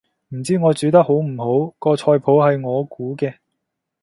唔知我煮得好唔好，個菜譜係我估嘅